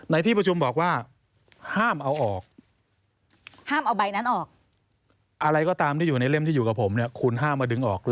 ในที่ประชุมบอกว่าห้ามเอาออก